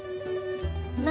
何？